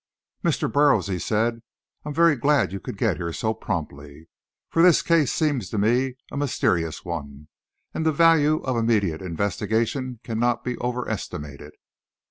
"Mr. Burroughs," he said, "I'm very glad you could get here so promptly; for the case seems to me a mysterious one, and the value of immediate investigation cannot be overestimated."